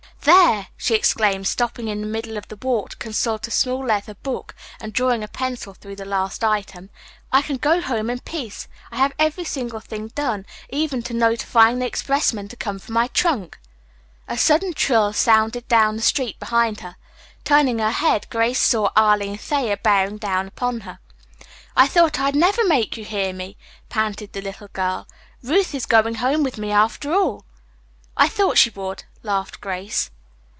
"There!" she exclaimed, stopping in the middle of the walk to consult a small leather book, and drawing a pencil through the last item, "I can go home in peace. I have every single thing done, even to notifying the expressman to come for my trunk." A sudden trill sounded down the street behind her. Turning her head, Grace saw Arline Thayer bearing down upon her. "I thought I'd never make you hear me," panted the little girl. "Ruth is going home with me after all." "I thought she would," laughed Grace.